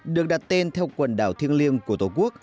được đặt tên theo quần đảo thiêng liêng của tổ quốc